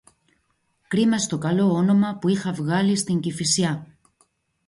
Κρίμα στο καλό όνομα που είχα βγάλει στην Κηφισιά!